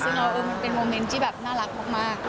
ซึ่งเราเป็นโมเมนท์ที่น่ารักมาก